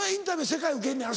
世界受けんのやろ？